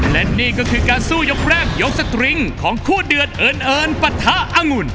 และนี่ก็คือการสู้ยกแรกยกสตริงของคู่เดือดเอิญเอิญปะทะองุ่น